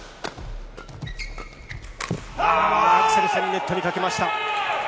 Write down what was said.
アクセルセン、ネットにかけました。